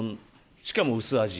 しかも薄味。